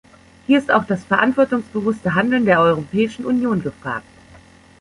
Hier ist auch das verantwortungsbewusste Handeln der Europäischen Union gefragt.